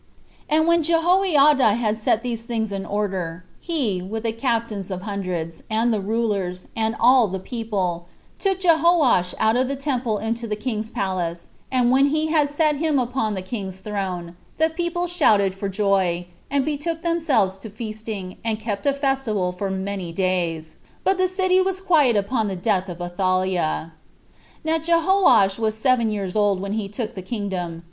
5. And when Jehoiada had set these things in order, he, with the captains of hundreds, and the rulers, and all the people, took Jehoash out of the temple into the king's palace; and when he had set him upon the king's throne, the people shouted for joy, and betook themselves to feasting, and kept a festival for many days; but the city was quiet upon the death of Athaliah. Now Jehoash was seven years old when he took the kingdom.